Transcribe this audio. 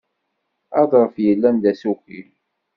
Aḍref yellan d asuki.